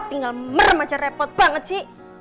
tinggal merem aja repot banget sih